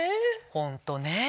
ホントねぇ。